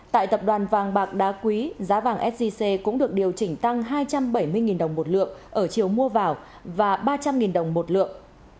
tại tập đoàn vàng bạc đá quý giá vàng sgc cũng được điều chỉnh tăng hai trăm bảy mươi đồng một lượng ở chiều mua vào và ba trăm linh đồng một lượng